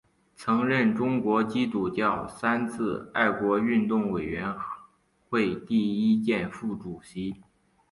曾任中国基督教三自爱国运动委员会第一届副主席。